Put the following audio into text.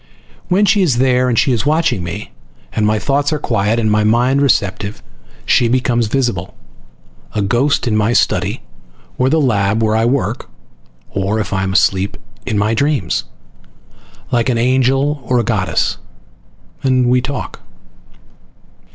When she is there, and is watching me, and my thoughts are quiet and my mind receptive, she becomes visible. A ghost in my study, or the lab where I work, or if I am asleep in my dreams. Like an angel, or a goddess. And we talk.